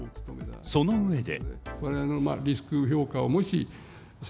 その上で。